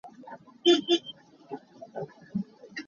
Kuak na zu bal maw?